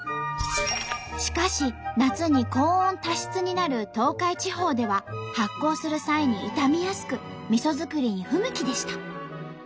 しかし夏に高温多湿になる東海地方では発酵する際に傷みやすくみそ作りに不向きでした。